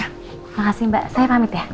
terima kasih mbak saya pamit ya